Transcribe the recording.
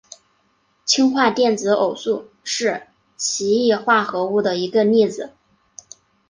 氢化电子偶素是奇异化合物的一个例子。